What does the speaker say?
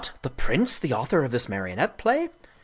The prince the author of this marionette play